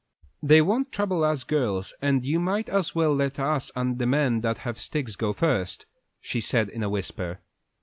"They won't trouble us girls, and you might as well let us and the men that have sticks go first," she said in a whisper.